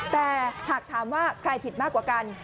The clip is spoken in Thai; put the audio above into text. แต่หากถามว่าใครผิดมากกว่ากัน